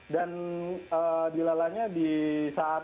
dan dilalanya di saat